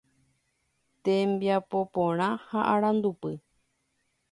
Tembiapoporã ha Arandupy